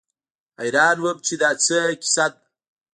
حيران وم چې دا څه کيسه ده.